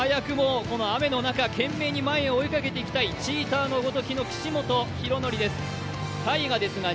まずは早くも雨の中懸命に前を追いかけていきたいチーターのごときの岸本大紀です。